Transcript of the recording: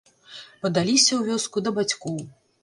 Падаліся ў вёску да бацькоў.